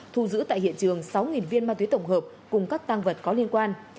thu giữ tại hiện trường sáu viên ma túy tổng hợp cùng các tăng vật có liên quan